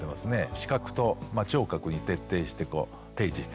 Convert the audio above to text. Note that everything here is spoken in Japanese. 視覚と聴覚に徹底して提示していくと。